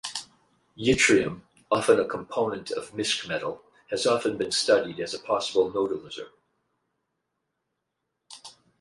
Yttrium, often a component of mischmetal, has also been studied as a "possible nodulizer".